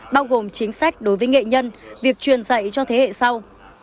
bao gồm chính sách đối với nghệ nhân việc truyền dạy cho thế hệ sau